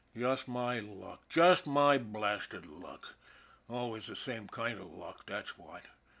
Just my luck, just my blasted luck, always the same kind of luck, that's what.